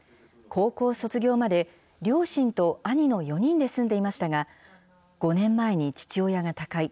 高校卒業まで、両親と兄の４人で住んでいましたが、５年前に父親が他界。